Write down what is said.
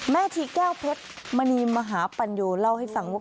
ทีแก้วเพชรมณีมหาปัญโยเล่าให้ฟังว่า